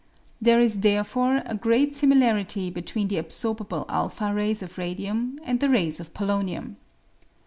There is therefore a great similarity between the absorbable u rays of radium and the rays of polonium.